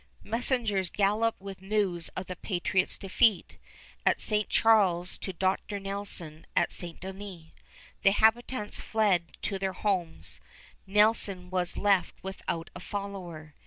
Messengers galloped with news of the patriots' defeat at St. Charles to Dr. Nelson at St. Denis. The habitants fled to their homes. Nelson was left without a follower.